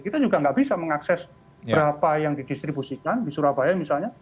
kita juga nggak bisa mengakses berapa yang didistribusikan di surabaya misalnya